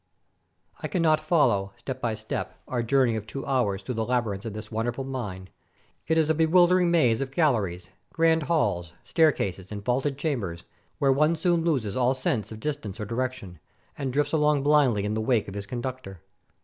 I cannot follow, step by step, our journey of two hours through the labyrinths of this wonderful mine. It is a bewildering maze of galleries, grand halls, staircases, and vaulted chambers, where one soon loses all sense of dis tance or direction, and drifts along blindly in the wake of his conductor.